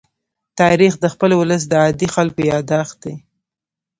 تاریخ د خپل ولس د عادي خلکو يادښت دی.